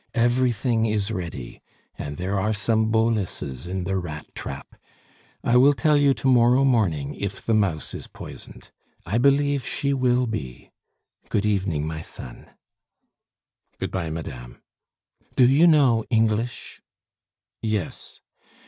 Everything is ready. And there are some boluses in the rat trap; I will tell you to morrow morning if the mouse is poisoned. I believe she will be; good evening, my son." "Good bye, madame." "Do you know English?" "Yes."